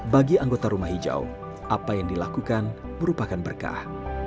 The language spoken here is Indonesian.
bagi anggota rumah hijau apa yang dilakukan merupakan berkah